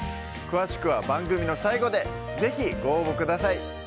詳しくは番組の最後で是非ご応募ください